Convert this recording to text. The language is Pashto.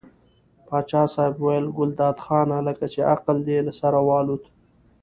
پاچا صاحب وویل ګلداد خانه لکه چې عقل دې له سره والوت.